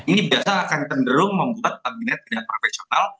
ini biasa akan cenderung membuat kabinet tidak profesional